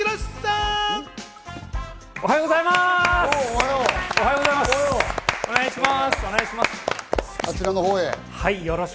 あちらのほうへ。